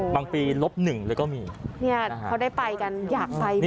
บางปีลบหนึ่งเลยก็มีเนี่ยเขาได้ไปกันอยากไปเลย